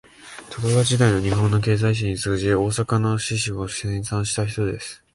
徳川時代の日本の経済史に通じ、大阪の市史を編纂した人です